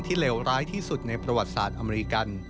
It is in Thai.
เลวร้ายที่สุดในประวัติศาสตร์อเมริกัน